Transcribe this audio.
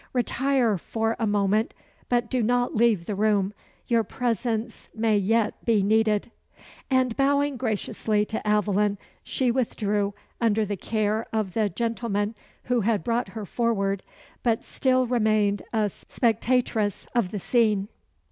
Retire for a moment; but do not leave the room. Your presence may yet be needed." And bowing graciously to Aveline, she withdrew under the care of the gentleman who had brought her forward, but still remained a spectatress of the scene.